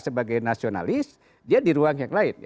sebagai nasionalis dia di ruang yang lain